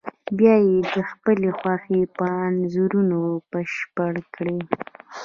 بیا یې د خپلې خوښې په انځورونو بشپړ کړئ.